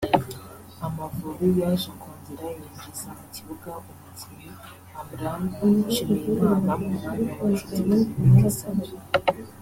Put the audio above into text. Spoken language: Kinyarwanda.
Amavubi yaje kongera yinjiza mu kibuga umukinnyi Amran Nshimiyimana mu mwanya wa Nshuti Dominique Savio